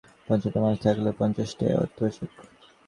কিন্তু মেয়েদের পঞ্চাশ রঙের পঞ্চাশটা জামা থাকলেও পঞ্চাশটাই অত্যাবশ্যক।